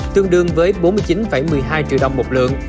tương đương với bốn mươi chín một mươi hai triệu đồng một lượng